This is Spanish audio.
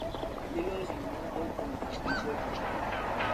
Lilo designó a Hou como su Ministro de Finanzas.